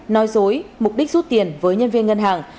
nói dối mục đích rút tiền với nhân viên ngân hàng